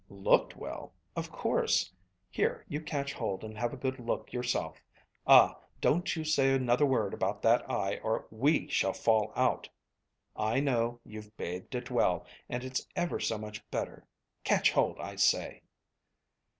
"Looked well? Of course. Here, you catch hold and have a good look yourself. Ah! Don't you say another word about that eye, or we shall fall out. I know: you've bathed it well, and it's ever so much better. Catch hold, I say."